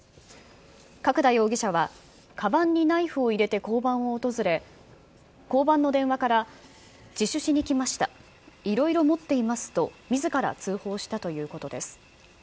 角田容疑者は、かばんにナイフを入れて交番を訪れ、交番の電話から、自首しに来ました、いろいろ持っていますとみずから通報したということです。